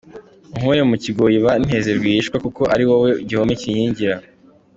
Unkure mu kigoyi banteze rwihishwa, Kuko ari wowe gihome kinkingira.